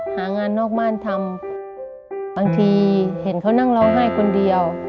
หางานนอกบ้านทำบางทีเห็นเขานั่งร้องไห้คนเดียว